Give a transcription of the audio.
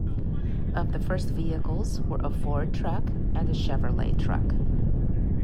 Of the first vehicles were a Ford Truck and a Chevrolet Truck.